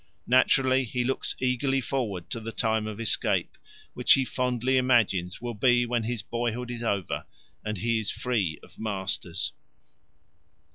Naturally, he looks eagerly forward to the time of escape, which he fondly imagines will be when his boyhood is over and he is free of masters.